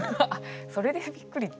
それで「びっくり」って。